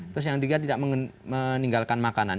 terus yang tiga tidak meninggalkan makanan